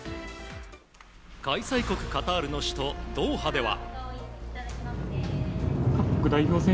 開催国カタールの首都ドーハでは。